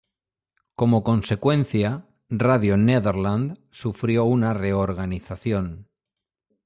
Como consecuencia, Radio Nederland sufrió una reorganización.